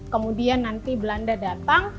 kemudian nanti belanda datang